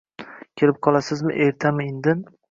Kelib qolasizmi, ertami-indin?